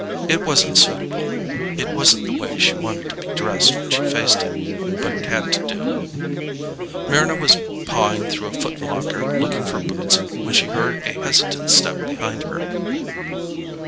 It wasn't suitable; it wasn't the way she wanted to be dressed when she faced him. But it had to do. Mryna was pawing through a footlocker looking for boots when she heard a hesitant step behind her.